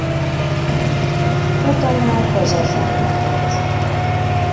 Kata már haza sem mehet.